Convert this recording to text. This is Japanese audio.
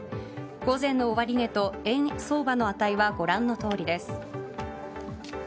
午前の終値と円相場の値はご覧のとおりです。